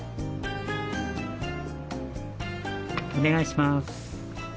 お願いします。